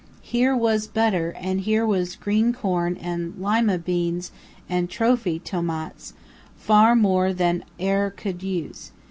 Here was butter, and here was green corn and lima beans and trophy tomats, far more than I ere could use.